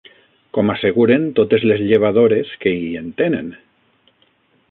Com asseguren totes les llevadores que hi entenen